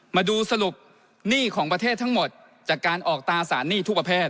มาดูสรุปหนี้ของประเทศทั้งหมดจากการออกตาสารหนี้ทุกประเภท